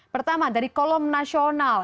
pertama dari kolom nasional